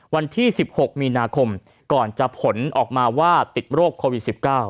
วันที่๑๖มีนาคมก่อนจะผลออกมาว่าติดโรคโควิด๑๙